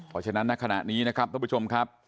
เอาอย่างนั้นนั่นขณะนี้นะครับทุกผู้ชม